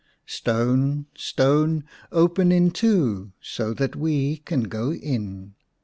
Stone, Stone, open in two, So that we can go in.